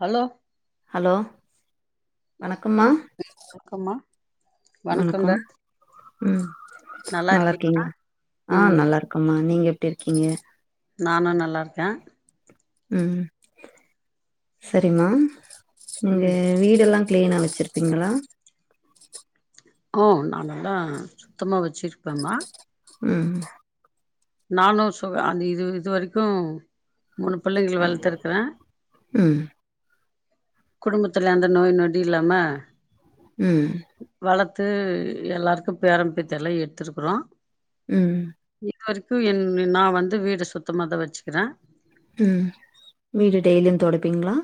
Hello hello வணக் அம்மா வணக்கம்மா வணக்கங்க வணக்கம் உ நல்லா இருக்கீங் ஆ ம் நல்லா இருக்கம்மா நீங்க இருக்கீங்க நானு நல்லா இருக்கே உ சரிமா இங்க ம் வீடெல்லா கிளீனா வச்சிருப்பீங்களா ஓ நா எல்லா சுத்தமா வச்சிருப்பேமா உ நானு சு அந்த இது இது வரைக்கு மூணு பிள்ளைகள் வளத்துருக்கிறே ம் குடும்பத்துல எந்த நோய் நொடி இல்லாம ம் து எல்லாருக்கும் பேரன்பேத்தி எல்லாம் எடுத்திருக்குறோம் ம் இது வரைக்கும் என் நா வந்து வீட சுத்தமாதான் வச்சிக்கிறே ம் வீடு டெய்லியும் தொடப்பீங்களா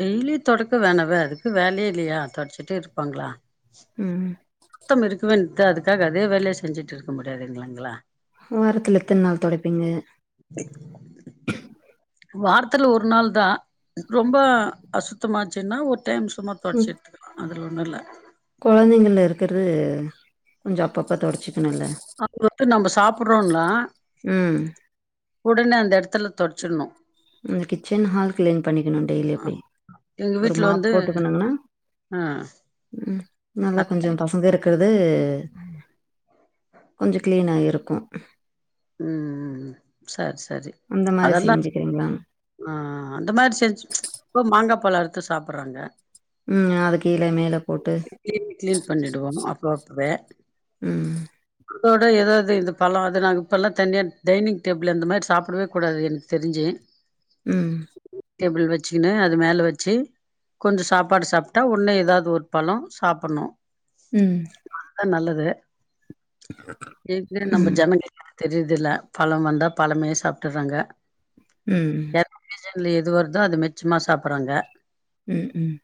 டெய்லி தொடைக்க வேணவ அதுக்கு வேலே இல்லையா தொடச்சிட்டே இருப்பாங்களா ம் ம் து அதுக்காக அதே வேளையே செஞ்சிட்டு இருக்க முடியாது இல்லிங்களா வாரத்துல எத்தன நாள் தொடைப்பீங்க வாரத்துல ஒரு நாள் தான் ரொம்ப அசுத்தமாச்சின்னா ஒரு டைம் சும்மா தொடச்சி எடுத்துக்குவேன் அதுல நல்லா கொழந்தைங்கல இருக்கிறது கொஞ்சம் அப்பப்ப தொடச்சி அவுரு வந்து நம்ப சாப்பறோலா ம் உடனே அந்த எடத்துல தொச்சிடணு இந்த கிச்சன் ஹால் கிளீன் பண்ணிக்கணு டெய்லி அப்டி எங்க ஒரு வீட்ல மாப் வந்து போட்டுக்கணுனா ஆ ம் நல்லா கொஞ்சோ அத- பசங்க இருக்கிற து கொஞ்ச கிளீனாயிரு இருக்கும் ம் சரி ச சரி அந்த மாரி அதெல்லா செஞ்சுக்கிறீங்களா ஆ அந்த மாரி செஞ்சி இப்போ மாங்கா பழ அரு த்து சாப்பறாங்க ம் அது கீழே மேல போட்டு கிளீன் கிளீன் பண்ணிடுவோ அப்ப ம் இதோட எதாவது இந்த பழம் அது நாங்க இப்பெல்லா தனியா டைனிங் டேபிள் அந்த மாரி சாப்படவே கூடாது எனக்கு தெரிஞ்சி ம். டேபிள் வச்சிக்கினு அது மேல வச்சி கொஞ்ச சாப்பாடு சாப்ட்டா உன்னே எதாவது ஒரு பழம் சாப்பணு ம் நல்லது எது நம்ப ம். ஜெனங்க தெரியுதல பழம் வந்தா பழமே சாப்ட்டறாங்க ம் ம் ல எது வருதோ அது மிச்சமா சாப்பறாங்க ம் ம்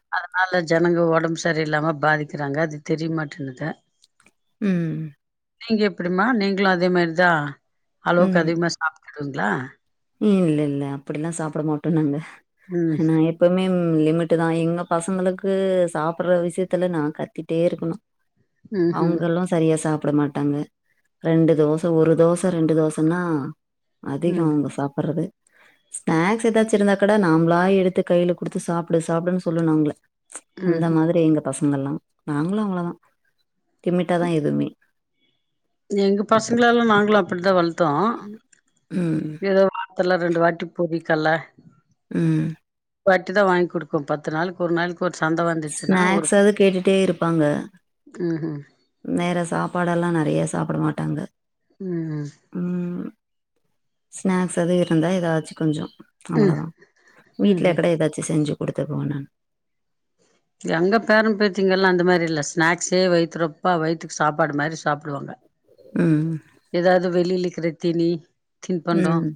ஜனங்க ஒடம் சரி இல்லாம பாதிக்கிறாங்க அது தெரியமாட்டேனுது ம் நீங்க எப்பிடிமா நீங்களு அதே மாரி தா அளவுக்கு அதிகமா சாப் துங்ளா இல்லெல்ல அப்பிடிலா சாப்புட மாட்டோ நாங்க ம் நா எப்பம்மே லிமிட்டு தா எங்க பசங்களுக்கு சாப்புட்ற விஷயத்துல நா கத்திட்டே இருக்கனு ம் ம் அவுங்களு சரியா சாப் புட மாட்டாங்க ரெண்டு தோச ஒரு தோச ரெண்டு தோசன்னா அதிகொ ம் அவுங்க பர்றது ஸ்நாக்ஸ் எதாச்சு இருந்தா கூட நாம்ளா எடுத்து கைல குடுத்து சாப்டு சாப்டுன்னு சொல்லனு அவுங்கள ம் அந்த ம் மாதிரி எங்க பச ங்கல்லா நாங்களு அவளதா லிமிட்டாதா எதுவ்மே எங்க பசங்ளலா நாங்களு அப்டிதா வள ம் த்துல்ல ரெண்டு வாட்டி பொறிக்கல்ல ம் வாட்டி தா வாங்குடுக்கு பத்து நாளுக்கு ஒரு நாள் ஸ்நாக்ஸாவுது கேட்டுட்டே இருப்பாங்க ம்ஹ்ம் வேற சாப்பாடல்லா நறைய சாப்புட மாட்டாங்க ம் ம் ம். ஸ்நாக்ஸ் அது இருந்தா எதாச்சு கொஞ்சொ ம் அவளதா ம்ஹ்ம் வீட்லக்கட எதாச்சு செஞ்சு குடுத்துர்வோ நான் எங்க பேர பேத்திங்கல்லா அந்த மாரி இல்ல ஸ்நாக்ஸே வயத்துறொப்பா வயித்துக்கு சாப்பாடு மாரி சாப்டுவாங்க ம். எதாது வெளிலெக்கிறெ தீனி தின்பண்டொ ம்.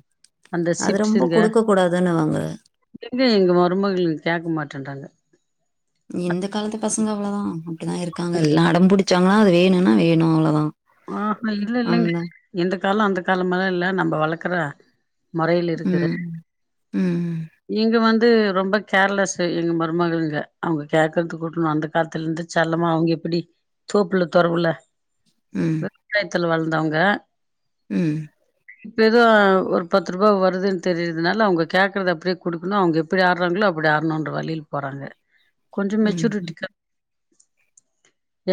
அந்த அது ரொம்ப சிப்ஸுங்க குடுக்கக்கூடாதுன்னுவாங்க. எதுமே எங்க மருமகளு கேக்க மாட்டென்றாங்க இந்த காலத்து பசங்க அவ்ளதா அப்டிதா இருக்காங்க எல்லா அடம்புடி வச்சாங்களா அ வேணும்னா வேணு அவ்ளோதா ஆ ஹு இல்ல இல்லங்க இந்த காலம் அந்த காலமல்லா இல்ல நம்ம வளக்குற முறையில இருக்குது ம் ம் இங்க வந்து ரொம்ப கேர்லஸ் எங்க மருமகள்ங்க அவங்க கேக்குறது கூட்ணும் அந்த காலத்துல இருந்து செல்லமா அவுங்க எப்டி தோப்புல தொரவுல ம் துல வளந்தவங்க ம் இப்ப ஏதோ ஒரு பத்து ரூபா வருதுன்னு தெரியர்து நால அவுங்க கேக்குறது அப்பிடியே குடுக்கணு அவுங்க எப்புடி ஆடுறாங்களோ அப்பிடி ஆடணுன்ற வழில போறாங்க கொஞ்ச ம். மெச்சூரிட்டிக்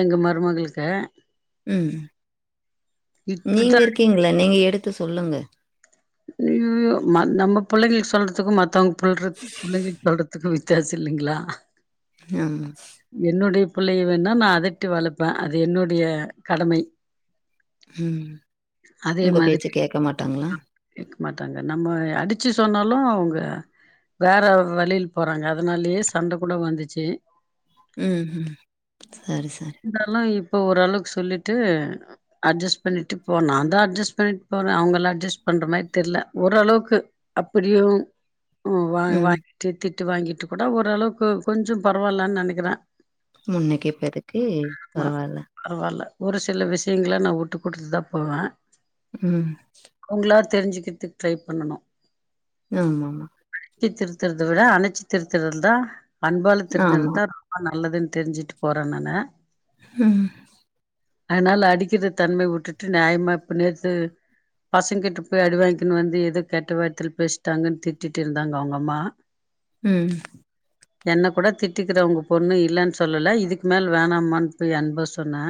எங்க மருமகளுக்க ம் இப்படித்தா நீங்க இருக்கீங்ளே நீங்க எடுத்து சொல்லுங்க நம்ம புள்ளைங்களுக்கு சொல்றதுக்கும் மத்தவங்க புல்ற புள்ளைங்களுக்கு சொல்றதுக்கு வித்தியாசம் இல்லிங்ளா ஆமா என்னுடைய புள்ளைக வேன்னா நா அதட்டி வளப்பேன் அது என்னுடைய கடமை ம் உங்க பேச்சு கே்க மாட்டாங்ளா கேக்க மாட்டாங்க நம்ம அடிச்சு சொன்னாலும் அவுங்க வேற வழில போறாங்க அதுனாலேயே சண்டை கூட வந்துச்சு ம் ம் சரி சரி இப்ப ஓரளவு சொல்லிட்டு அட்ஜெஸ் பண்ணிட்டு போ நாந்தா அட்ஜெஸ் பண்ணிட்டு போறேன் அவுங்க அட்ஜெஸ் பண்ற மாரி தெரில ஓரளவுக்கு அப்புடியும் உ வா ம் வாங்கிட்டு திட் டு வாங்கிட்டு கூட ஓரளவுக்கு கொஞ்ச பரவால்லன் நெனைக்கிறேன் முன்னைக்கு இப்பேருக்கு ஆமா. பரவால்ல பரவால்ல. ஒரு சில விஷயங்களை நா உட்டு குடுத்து தா போவேன் ம் அவுங்களா தெரிஞ்சுக்கத்து ட்ரை பண்ணணு ஆமா ஆமா அடிச்சு திருத்துறத விட அணைச்சி திருத்துறந்தா அன்பால திருத்தறது ஆமா தான் ரொம்ப நல்லது தெரிஞ்சுட்டு போறேன் நானு ம் அதுனால அடிக்கிற தன்மை உட்டுட்டு நியாயமா இப்ப நேத்து பசங்கிட்ட போய் அடி வாங்கின்னு வந்து எதோ கெட்ட வார்த்தேல பேசிட்டாங்கன்னு திட்டிட்டு இருந்தாங்க அவுங்க அம்மா ம் என்ன கூட திட்டிக்கிற உங்க பொண்ணு இல்லன்னு சொல்லல இதுக்கு மேல வேணமான்னு போய் அன்பவ சொன்னே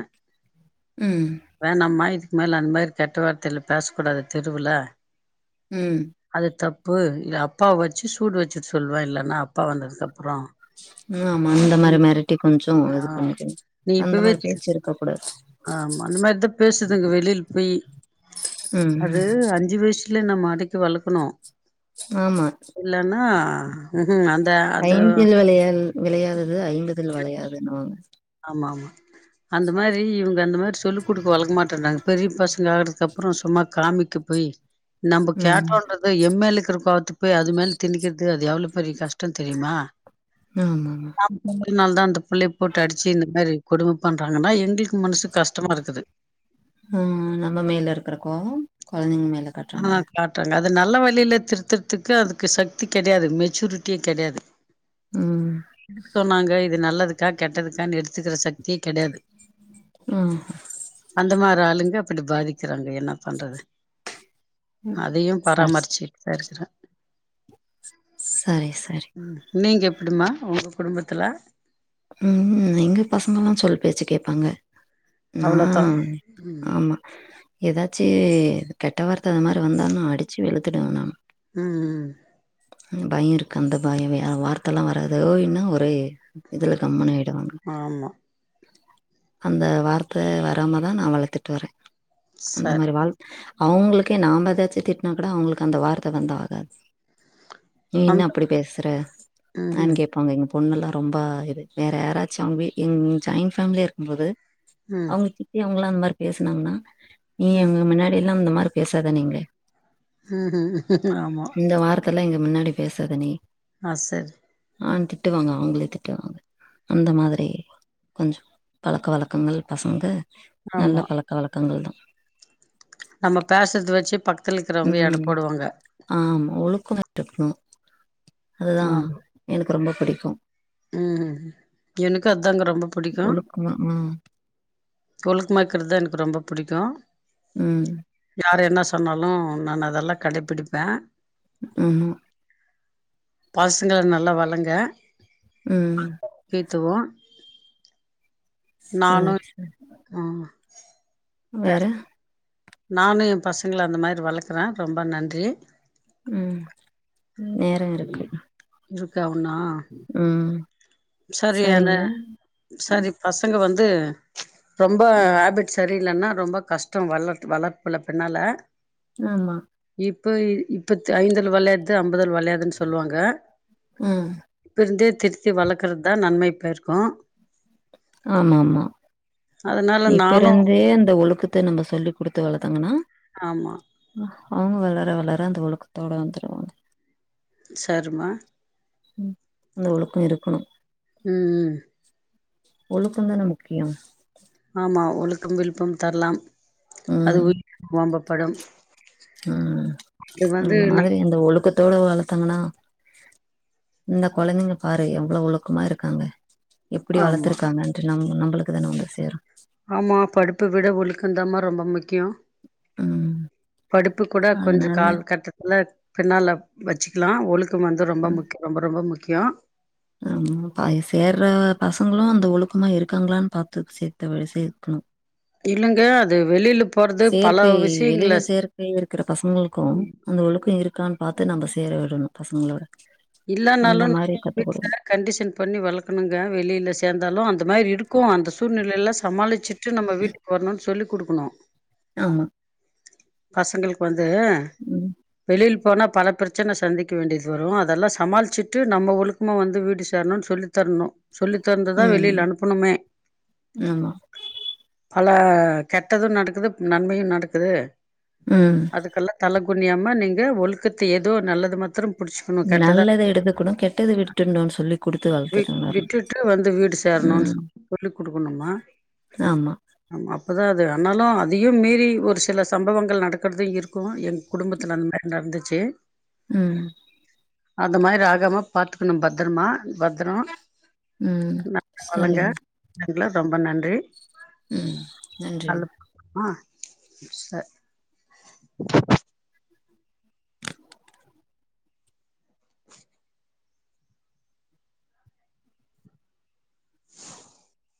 ம் வேணாம்மா இது மேல அந்த மாரி கெட்ட வார்த்தைல பேசு கூடாது தெருவுல ம் அது தப் ப்பு இவ அப்பா வச்சு சூடு வச்சுட்டு சொல்லுவே இல்லன்னா அப்பா வந்ததுக்கு அப் ஆமா அந்த மாரி மிரட்டி கொஞ்சோ ஆ இது பண்ணிட் நீ அந்த இப்பவே மாரி பேச்சி இருக்க கூடாது ஆமா அந்த மாரிதா பேசுதுங்க வெளியில் வீ ம் அது ம் அஞ்சு வயசு வீட்ல நம்ம அடைக்கி வளக்கணு ஆமா இல்லன்னா அது ம்ஹூம் அந்த ஐந்தில் வளையாதது வளையாதது ஐம்பதில் வளையாதுன்னுவாங்க ஆ ஆமா அந்த மாதிரி இவங்க அந்த மாதிரி சொல்லி கொடுக்க வளக்க மாட்டேங்ராங்க பெரிய பசங்க ஆகுறதுக்கு அப்புறோ சும்மா காமிக்க போய் நம்ம ம் கேட்டோன்றத எம்எல்க்கு இருக்கற கோவத்து போய் அது மேல திணிக்கிறது அது எவ்ளோ பெரிய கஷ்டோ தெரியுமா ஆமாமா னால தா அந்த புள்ளய போட்டு அடிச்சு இந்த மாதிரி கொடும பண்றாங்கன்னா எங்களுக்கு மனசுக்கு கஷ்டமா இருக்குது ம் நம்ம மேல இருக்கறக்கோவோ கொழந்தைங்க மேல காட்றாங்க ஆ காட்டுறேங்க அது அது நல்ல வழியில திருத்துறதுக்கு அதுக்கு சக்தி கெடையாது மெச்சூரிட்டியே கெடையாது ம் சொன்னாங்க இது நல்லது க்கா கெட்டதுகான்டி எடுத்துகிற சக்தியே கெடையாது ம் அந்த மாரி ஆளுங்க அப்டி பாதிக்கிறாங்க என்ன பண்றது அதையு சரி பராமரிச்சிட்டுதா இருக்குறா சரி சரி ம் நீங்கப் அப்டிமா உங்க குடும்பத்ல ம் எங்க பசங்கெல்லா சொல் பேச்சு கேப்பாங்க அவ்வளோதா ம் ம் ஆமா ஏதாச்சு கெட்ட வார்த்த அது மாரி வந்தானா அடிச்சு வெழுத்துடுவேன் நா ம்ம் பயம் இருக்கு அந்த பயம் வார்த்த எல்லா வராது ஓய்னா ஒரே இது கம்முன் ஆய்டும் ஆமா அந்த வார்த்த வராமதா நா வளர்த்துட்டு வரேன் அந்த சரி மாறி வாழ் அவேங்களுக்கே நாம ஏதாச்சு திட்டுனா கூட அவுங்களுக்கு அந்த வார்த்த வந்து ஆகாது நீ என்ன அந்த அப்டி பேசுற ம் ம் நானு கேட்பாங்க பொண்ணுல்லா ரொம் ரெம்ப இது வேற யாராச்சு அவுங்க எங்க ஜாயின் ஃபேமிலியா இருக்குபோது ம் அவுங்க சித்தி அவங்களாம் அன்மாரி பேசுனாங்கன்னா நீ ம் இவுங்க முன்னாடி இந்த மாரி பேசாத நீங்க ஹும் ஹூம் ஆமா இந்த வார்த்தைலாம் எங்க முன்னாடி பேசாத நீ ஆ சரி ஆ திட்டுவாங்க அவுங்களுக்கே ட்டு வாங்க அந்த மாதிரி கொஞ்சோ பழக்க வழக்கங்கள் பசங்க நல்ல ஆமா பழக்க வலக் கங்கள் தா நம்ம பேசுறது வச்சு பக் உ ஆமா ஒழுக்கமாட்டு உ அதுதா எனக்கு ரொம்ப பிடிக்கு உ எனுக்கு அத்தாங்க ரொம்ப புடிக்கு ஒழுக்கமா ம் ஒழுக்குமாக்கிறதுதா எனக்கு ரொம்ப புடிக்கு ம் யார் என்ன சொன்னாலு நானு அதெல்லா கடைபிடிப்பேன் ஆமா பசங்களை நல்லா வளங்க ம் துவோம் சரி த வேற நானு எம் பசங்க அந்த மாரி வளக்குறேன் ரொம்ப நன்றி ம் நேரம் இருக்கு இருக்கா உணா ம் சரியான சரிங்க ம், சரி பசங்க வந் து ரொம்ப ஹேபிட்ஸ் சரியில்லன்னா ரொம்ப கஷ்டம் வளர்த்து வளர்ப்புல பின்னால ஆமா பு இப்ப ஐந்துல விளையாது ஐம்பதுல விளையாதுன்னு சொல்லுவாங்க ம் பந்தே திருத்தி வளர்க் கற்து தான் நன்மை பையர்க்கும் ஆமா ஆமா அதனால இப்ப நானு இருந்தே அந்த ஒழுக்கத்தை நம்ம சொல்லி குடுத்து வளர்த்தாங்கன்னா ஆமா அவுங்க வளர வளர அந்த ஒழுக்கத்தோடு வந்துடுவாங்க சர்மா ம் அந்த ஒழுக்கம் இருக்கணும் ம் ஒழுக்கம் தானே முக்கியம் கம் விழுப்பம் தரலாம் ம் அதுவின் ஒம்பப் படும் ம் இந்த மாதிரி அந்த ஒழுக்கத்தோட வளர்த்தீ ங்கன்னா இந்த குழந்தைங்க பாரு எவ்வளோ ஒழுக்கமா இருக்காங்க எப்படி ஆமா வளர்த்திருக்காங்க என்று நம் நம்பள அதானே வந்து சேரும் ஆமா படிப்ப விட ஒழுக்குந்தமா ரொம்ப முக் கியம் ம் படிப்பு கூட கொஞ்ச அதனால காலகட்டத்துல பின்னால்ன வச்சுக்கலாம் ஒழுக் கம் ‌ வந்து ரொம்ப முக்கியம் ரொம்பரொம்ப முக் கியம் ம் சேர்ற பசங்களும் அந்த ஒழுக்கமா இருக்காங்களான்னு பார்த்து சேர்த்து வழி சேக்கணும் இல்லங்க அது வெளியில சேற்கை வெளியில சேற்கை இருக்கிற பசங்களுக்கும் அந்த ஒழுக்கும் இருக்கா பாத்து நம்மர் சேர விடணும் பசங்களோட அந்த இல்லனாலும் நா மாரி கத்து வீட்ல குடுக்கணு கண்டிஷன் பண்ணி வளுக்கணுங்க வெளில சேந்தாலும் அந் அந்த மாரி இருக்கும் அந்த சூழ்நிலேல ச சமாளிச்சிட்டு நம்ம வீட்டுக் வரணும்னு சொல்லி குடுக்குனு ஆமா பசங்களுக்கு வந் து ம் வெளில் போனா பல பிரச்சன சந்திக்க வேண்டியது வரும் அதெல்லா சமாளிச்சிட்டு நம்ம ஒழுக்குமா வந்து வீடு சேர்னு சொல்லித்தரணும் சொல்லி தந்துதா ம் வெளில அனுப்புணுமே அப் ஆமா பல கெட்டதும் நடக்குது நன்மையு நடக்குது ம் அதுக்கெல்லா தலகு குனியாம நீங்க ஒழுக்கத்தை ஏதோ நல்லது மாத்ரும் புடிச்சுகனு கெட்டதா நல்லத எடுத்துக்கணு கெட்டது விட்டுடணும்னு சொல்லி குடுத்து விட் வளர்த்துட்டு வரணு விட்டுட்டு வந்து வீடு சேர்னு ம் சொல்லி குடுக்கனுமா ஆமா ஆமா அதா அது அனால அதியு மீறி ஒரு சில சம்பவம் கள் நடக்கறது இருக்கும் என் குடும்பத்துல அந் மாரி நடந்துச்சு ம் அது மாரி ஆகாம பாத்துக்குனு பத்ரமா பத்ரோ ம் செரி மா இதுல ரொம்ப நன்றி ம் நன்றி மா மிஸ்ஸ